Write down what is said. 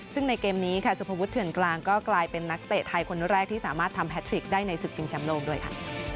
ซึ่งในเกมนี้ค่ะสุภวุฒเถื่อนกลางก็กลายเป็นนักเตะไทยคนแรกที่สามารถทำแททริกได้ในศึกชิงแชมป์โลกด้วยค่ะ